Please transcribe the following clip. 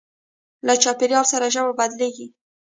له چاپېریال سره ژبه بدلېږي.